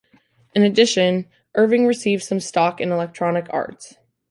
In addition, Erving received some stock in Electronic Arts.